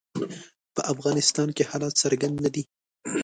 په افغانستان کې حالات څرګند نه دي.